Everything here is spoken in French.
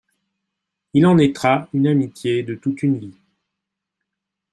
Il en naîtra une amitié de toute une vie.